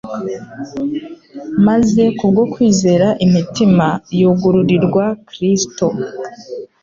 maze kubwo kwizera imitima yugururirwa Kristo.